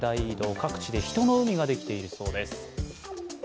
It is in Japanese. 各地で人の海ができているそうです。